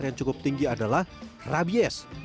yang cukup tinggi adalah rabies